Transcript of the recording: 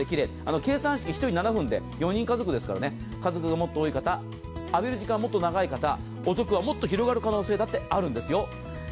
計算式、４人家族ですから、家族が多い方、浴びる時間がもっと長い方、お得はもっと広がる可能性だってあるんですよ。